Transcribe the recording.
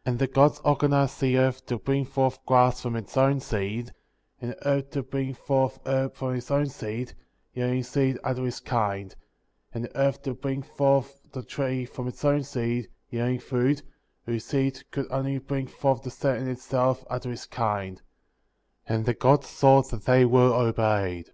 ^ '12. And the Gods organized the earth to bring forth grass from its own seed, and the herb to bring forth herb from its own seed, yielding seed after his kind; and the earth to bring forth the tree from its own seed, yielding fruit, whose seed could only bring forth the same in itself, after his kind; and the Gods saw that they were obeyed.